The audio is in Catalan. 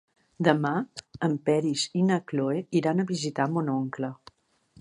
Demà en Peris i na Cloè iran a visitar mon oncle.